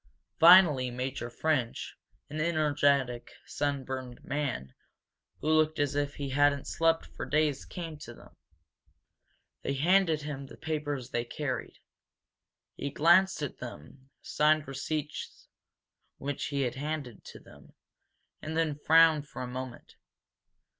Finally Major French, an energetic, sunburned man, who looked as if he hadn't slept for days, came to them. They handed him the papers they carried. He glanced at them, signed receipts which he handed to them, and then frowned for a moment.